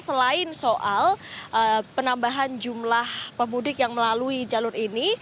selain soal penambahan jumlah pemudik yang melalui jalur ini